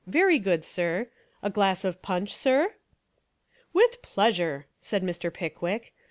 Very good, sir; a glass of punch, sir?" "With pleasure," said Mr. Pickwick.